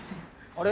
あれ？